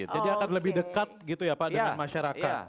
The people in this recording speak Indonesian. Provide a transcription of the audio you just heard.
jadi akan lebih dekat gitu ya pak dengan masyarakat